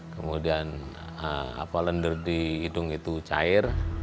kemudian lender di hidung itu cair